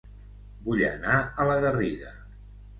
Vull anar a La Garriga